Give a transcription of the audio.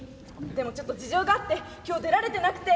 でもちょっと事情があって今日出られてなくて。